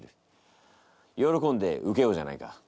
よろこんで受けようじゃないか。